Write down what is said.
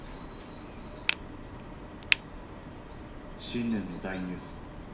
新年の大ニュース。